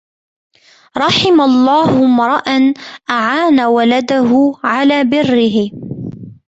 رَحِمَ اللَّهُ امْرَأً أَعَانَ وَلَدَهُ عَلَى بِرِّهِ